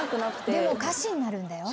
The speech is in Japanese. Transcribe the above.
でも歌詞になるんだよ。